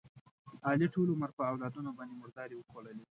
علي ټول عمر په اولادونو باندې مردارې وخوړلې.